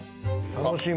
楽しみ。